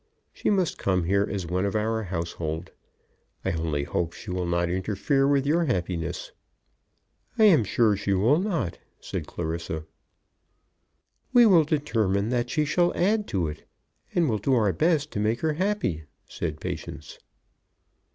She must come here as one of our household. I only hope she will not interfere with your happiness." "I am sure she will not," said Clarissa. "We will determine that she shall add to it, and will do our best to make her happy," said Patience.